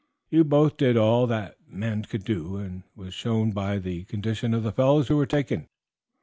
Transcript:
You both did all that men could do, as was shown by the condition of the fellows who were taken.